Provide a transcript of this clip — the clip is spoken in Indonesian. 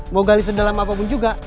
mau gali sedalam apapun juga